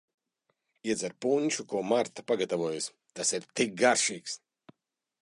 Iedzer punšu, ko Marta pagatavojusi, tas ir tik garšīgs.